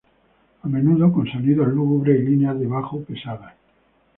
A menudo con sonidos lúgubres y líneas de bajo pesadas.